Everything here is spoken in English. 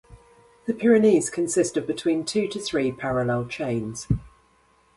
The Pyrenees consist of between two to three parallel chains.